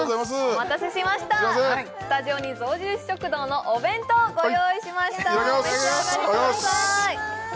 お待たせしましたスタジオに象印食堂のお弁当ご用意しましたいただきます！